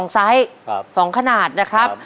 ไซส์๒ขนาดนะครับ